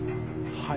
はい。